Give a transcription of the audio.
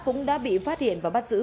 cũng đã bị phát hiện và bắt giữ